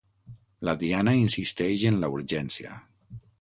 La Diana insisteix en la urgència.